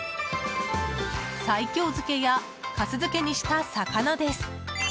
西京漬けや粕漬けにした魚です。